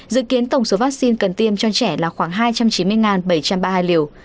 dự kiến tổng số vaccine cần tiêm cho trẻ là khoảng hai trăm chín mươi bảy trăm ba mươi hai liều